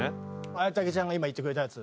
文武ちゃんが今言ってくれたやつ